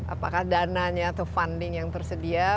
apakah dananya atau funding yang tersedia